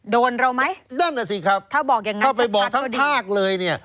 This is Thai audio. โดนเราไหมถ้าบอกอย่างนั้นจะพันก็ดีถ้าไปบอกทั้งภาคเลย